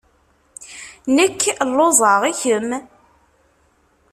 Nekk lluẓeɣ. I kemm?